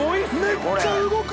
めっちゃ動く！